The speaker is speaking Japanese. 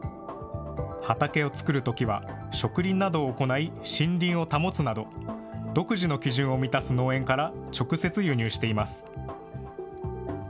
畑を作るときは、植林などを行い、森林を保つなど、独自の基準を満たす農園から直接輸入しています。